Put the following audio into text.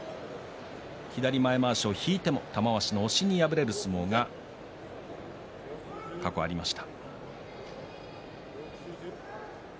左前まわしを引いての玉鷲の押しに敗れる相撲が過去、ありました。